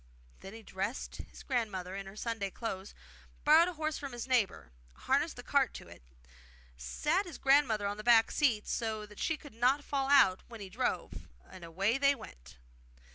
Then he dressed his grandmother in her Sunday clothes, borrowed a horse from his neighbour, harnessed the cart to it, sat his grandmother on the back seat so that she could not fall out when he drove, and away they went.